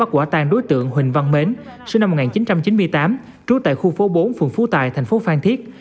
quả tàn đối tượng huỳnh văn mến sinh năm một nghìn chín trăm chín mươi tám trú tại khu phố bốn phường phú tài thành phố phan thiết